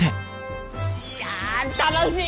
いや楽しい！